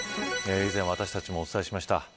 以前、私たちもお伝えしました。